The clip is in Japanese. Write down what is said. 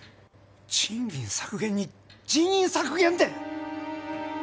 賃金削減に人員削減って！